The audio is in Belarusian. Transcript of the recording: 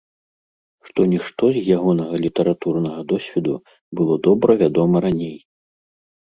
Што-нішто з ягонага літаратурнага досведу было добра вядома раней.